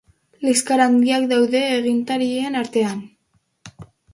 Liskar handiak daude agintarien artean.